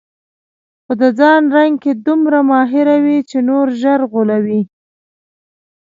خو د ځان رنګ کې دومره ماهره وي چې نور ژر غولوي.